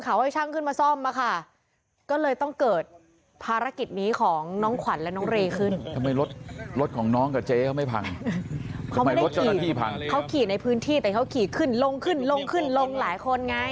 เขาให้ช่างขึ้นมาซ่อมมาค่ะก็เลยต้องเกิดภารกิจนี้ของน้องขวัญและน้องเรขึ้นทำไมรถรถของน้องเขาขี่ในพื้นที่แต่เขาขี่ขึ้นลงขึ้นลงขึ้นลงหลายคนไง